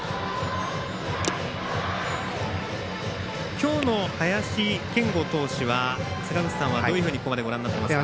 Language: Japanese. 今日の林謙吾投手は坂口さんはどういうふうにご覧になっていますか？